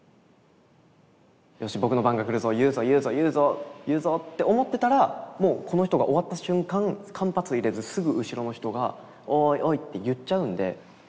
「よし僕の番が来るぞ言うぞ言うぞ言うぞ言うぞ」って思ってたらもうこの人が終わった瞬間間髪いれずすぐ後ろの人が「おいおい」って言っちゃうんで。